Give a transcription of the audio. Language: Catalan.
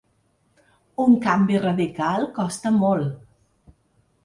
Un canvi radical costa molt.